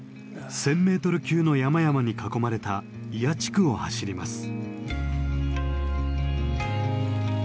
１，０００メートル級の山々に囲まれた祖谷地区を走ります。